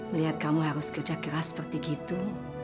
melihat kamu harus kerja keras seperti gitu